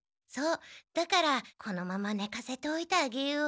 だからこのままねかせておいてあげよう。